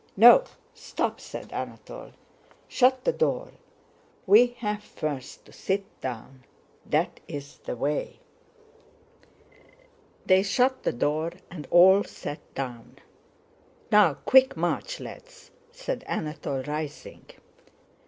"No, stop!" said Anatole. "Shut the door; we have first to sit down. That's the way." They shut the door and all sat down. "Now, quick march, lads!" said Anatole, rising.